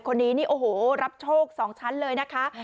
คนนี้นี่โอ้โหรับโชค๒ชั้นเลยนะคะ